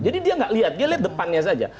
jadi dia tidak lihat dia lihat depannya saja